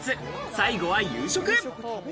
最後は夕食。